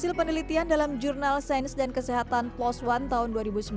sebut penelitian dalam jurnal sains dan kesehatan plos one tahun dua ribu sembilan belas